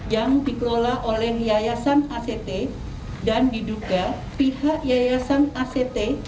yang dikelola oleh yayasan act dan diduga pihak yayasan act